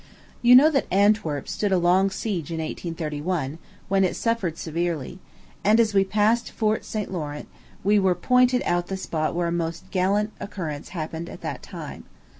You know that Antwerp stood a long siege in 1831, when it suffered severely; and, as we passed Fort St. Laurent, we were pointed out the spot where a most gallant occurrence happened at that time.